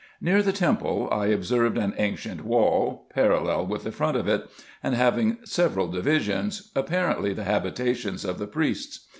Near the temple I observed an ancient wall, parallel with the front of it, and having several divisions, apparently the habitations of the priests.